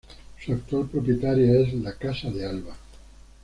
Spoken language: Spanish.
Su actual propietario es la Casa de Alba.